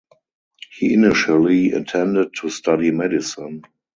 He initially intended to study medicine.